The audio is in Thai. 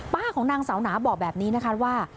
ของนางสาวหนาบอกแบบนี้นะคะว่า